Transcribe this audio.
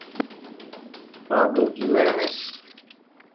Pablo Giménez